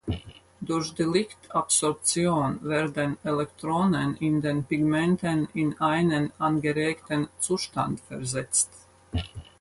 Durch die Lichtabsorption werden Elektronen in den Pigmenten in einen angeregten Zustand versetzt.